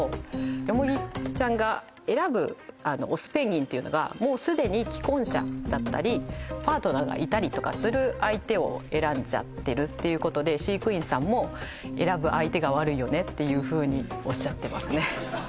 ヨモギちゃんが選ぶオスペンギンっていうのがもうすでに既婚者だったりパートナーがいたりとかする相手を選んじゃってるっていうことで飼育員さんもっていうふうにおっしゃってますね